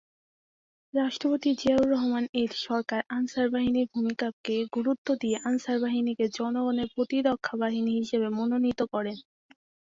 রাষ্ট্রপতি জিয়াউর রহমান এর সরকার আনসার বাহিনীর ভূমিকাকে গুরুত্ব দিয়ে আনসার বাহিনীকে "জনগণের প্রতিরক্ষা বাহিনী" হিসেবে মনোনীত করেন।।